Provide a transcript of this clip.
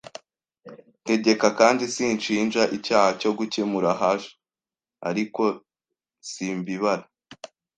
tegeka, kandi sinshinja icyaha cyo gukemura hash, ariko simbibara